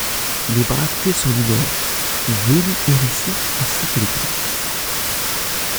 Les bractées sont linéaires, velues-hérissées ainsi que le calice.